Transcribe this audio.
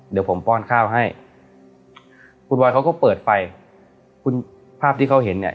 เดี๋ยวผมป้อนข้าวให้คุณบอยเขาก็เปิดไปคุณภาพที่เขาเห็นเนี่ย